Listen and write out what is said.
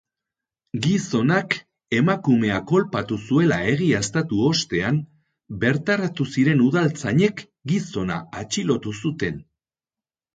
Gizonak emakumea kolpatu zuela egiaztatu ostean, bertaratu ziren udaltzainek gizona atxilotu zuten.